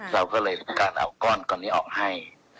เราเพิ่มเลยการเอาก้อนก่อนนี้ออกให้